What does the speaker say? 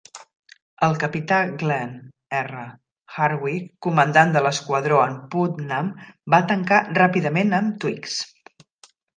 El capità Glenn R. Hartwig, comandant de l'esquadró en "Putnam", va tancar ràpidament amb "Twiggs".